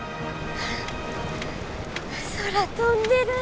空飛んでる。